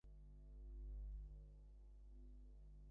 আমি হাড়ে-হাড়ে চিনি।